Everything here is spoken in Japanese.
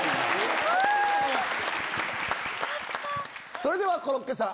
それではコロッケさん